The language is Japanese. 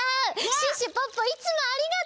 シュッシュポッポいつもありがとう！